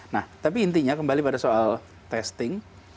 nah tapi intinya kembali pada soal testing